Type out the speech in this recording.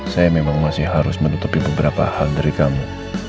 saya memang masih harus menutupi beberapa hal dari kami